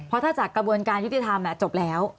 เพราะถ้าจากกระบวนการยุติธรรมจบแล้ว